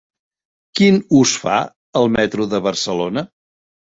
Quin ús fa el metro de Barcelona?